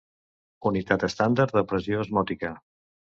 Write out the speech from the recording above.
Unitat estàndard de pressió osmòtica.